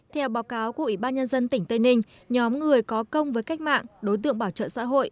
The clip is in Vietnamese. theo báo cáo của ủy ban nhân dân tỉnh tây ninh nhóm người có công với cách mạng đối tượng bảo trợ xã hội